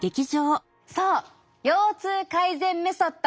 そう腰痛改善メソッド